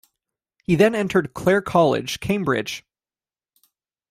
He then entered Clare College, Cambridge.